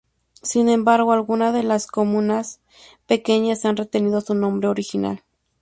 Sin embargo, algunas de las comunas pequeñas han retenido su nombre original.